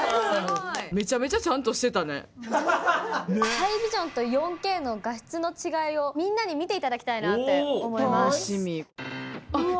ハイビジョンと４Ｋの画質の違いをみんなに見ていただきたいなって思います。